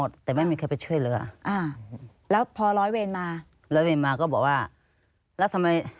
ใช่ค่อยออกจากรถ